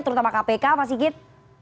terutama kpk pak sigit